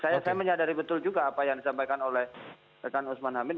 saya menyadari betul juga apa yang disampaikan oleh rekan usman hamid